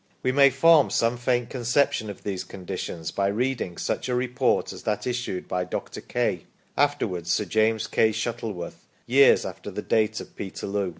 We may form some faint conception ofthese conditions by reading such a Report as that issued by Dr. Kay (afterwards Sir James Kay Shuttleworth) years after the date of Peterloo.